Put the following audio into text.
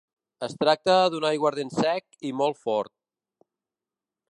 Es tracta d'un aiguardent sec i molt fort.